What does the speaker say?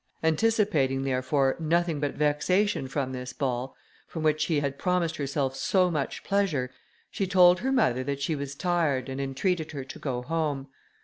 Anticipating, therefore, nothing but vexation from this ball, from which she had promised herself so much pleasure, she told her mother that she was tired, and entreated her to go home.